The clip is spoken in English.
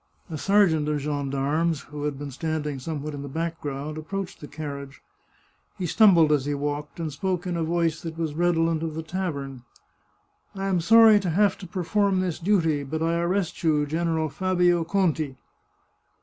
A sergeant of gendarmes, who had been standing some what in the background, approached the carriage. He stumbled as he walked, and spoke in a voice that was red olent of the tavern :" I am sorry to have to perform this duty, but I arrest you. General Fabio Conti